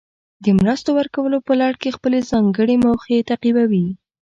د مرستو ورکولو په لړ کې خپلې ځانګړې موخې تعقیبوي.